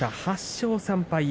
８勝３敗。